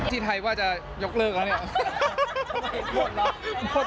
ที่ไทยว่าจะยกเลิกแล้วเนี่ย